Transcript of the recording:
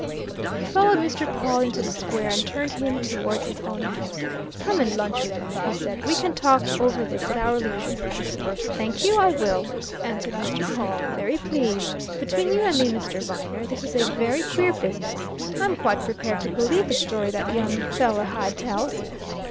He followed Mr. Pawle into the square, and turned him towards his own house. "Come and lunch with me," he said. "We can talk over this at our leisure." "Thank you I will," answered Mr. Pawle. "Very pleased. Between you and me, Mr. Viner, this is a very queer business. I'm quite prepared to believe the story that young fellow Hyde tells.